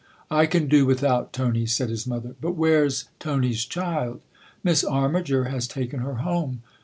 " I can do without Tony," said his mother. " But where's Tony's child ?"" Miss Armiger has taken her home."